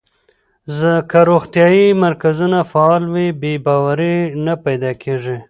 که روغتیايي مرکزونه فعال وي، بې باوري نه پیدا کېږي.